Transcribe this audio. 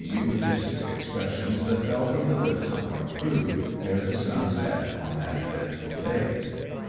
eulogistic expressions that fell from the lips of our crew ere the sun set on that cYentful day.